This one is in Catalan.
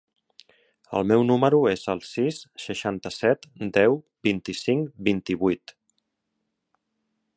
El meu número es el sis, seixanta-set, deu, vint-i-cinc, vint-i-vuit.